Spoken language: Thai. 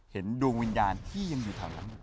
ดวงวิญญาณที่ยังอยู่แถวนั้น